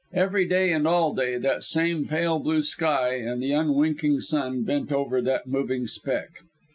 Every day and all day the same pale blue sky and the unwinking sun bent over that moving speck.